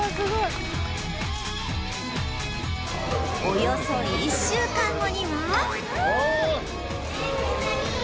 およそ１週間後にはわあ！